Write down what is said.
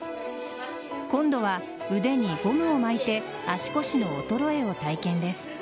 今度は腕にゴムを巻いて足腰の衰えを体験です。